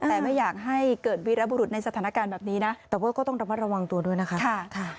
แต่ไม่อยากให้เกิดวีระบุรุษในสถานการณ์แบบนี้นะแต่พวกก็ต้องระวังตัวด้วยนะคะค่ะค่ะ